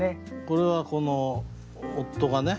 これはこの夫がね